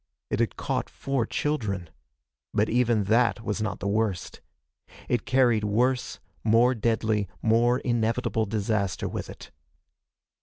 It had caught four children. But even that was not the worst. It carried worse, more deadly, more inevitable disaster with it.